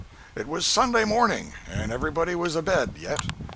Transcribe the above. It was Sunday morning, and everybody was abed yet.